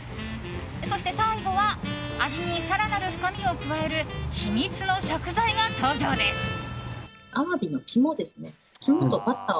そして最後は、味に更なる深みを加える秘密の食材が登場です。